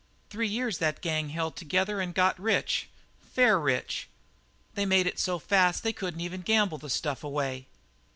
"Three years that gang held together and got rich fair rich. They made it so fast they couldn't even gamble the stuff away.